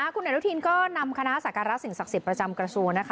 คุณอรุทินก็นำคณะอาสาการรักษ์สิ่งศักดิ์สิทธิ์ประจำกระทรวง